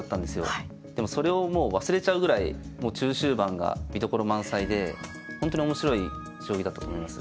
でもそれをもう忘れちゃうぐらい中終盤が見どころ満載で本当に面白い将棋だったと思います。